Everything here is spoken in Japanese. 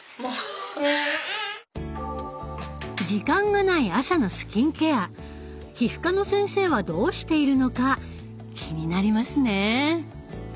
時間がない朝のスキンケア皮膚科の先生はどうしているのか気になりますね。